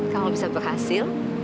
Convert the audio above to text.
kamu bisa berhasil